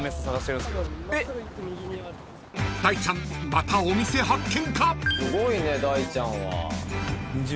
［大ちゃんまたお店発見か？］